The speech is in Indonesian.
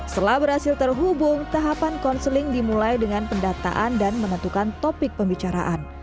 setelah berhasil terhubung tahapan konseling dimulai dengan pendataan dan menentukan topik pembicaraan